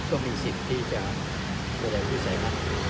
ก็มีสิทธิ์ที่จะเวลาวิสัยทักษ์